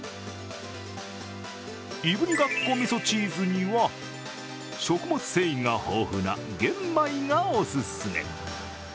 いぶりがっこ味噌チーズには食物繊維が豊富な玄米がお勧め。